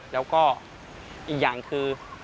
แล้วก็อีกอย่างคือ